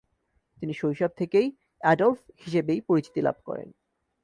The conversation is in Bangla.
তিনি শৈশব থেকেই অ্যাডলফ হিসেবেই পরিচিতি লাভ করেন।